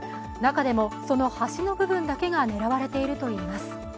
中でもその端の部分だけが狙われているといいます。